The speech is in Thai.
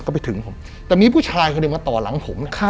พอไปถึงผมแต่มีผู้ชายเขามาต่อหลังผม